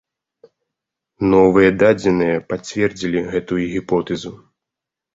Новыя дадзеныя пацвердзілі гэтую гіпотэзу.